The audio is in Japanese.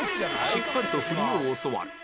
しっかりと振りを教わる